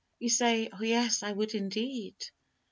You say, "Oh yes, I would indeed.